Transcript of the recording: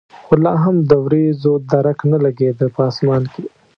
خو لا هم د ورېځو درک نه لګېده په اسمان کې.